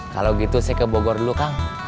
kalau gitu saya ke bogor dulu kang